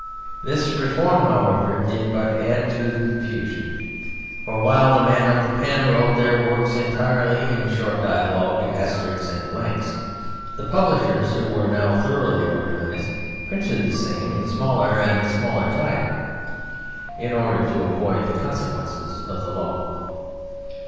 This reform, however, did but add to the confusion, for while the men of the pen wrote their works entirely in short dialogue, asterisks, and blanks, the publishers, who were now thoroughly organized, printed the same in smaller and smaller type, in order to avoid the consequences of the law.